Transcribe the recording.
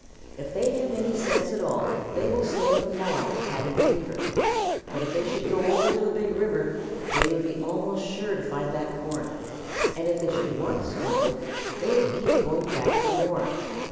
"If they have any sense at all, they will stay in the pond of Paddy the Beaver. But if they should go over to the Big River, they would be almost sure to find that corn, and if they should once find it, they would keep going back for more.